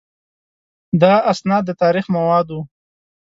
دا اسناد د تاریخ مواد وو.